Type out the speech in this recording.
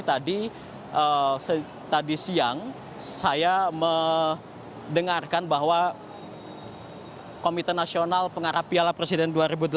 tadi siang saya mendengarkan bahwa komite nasional pengarah piala presiden dua ribu delapan belas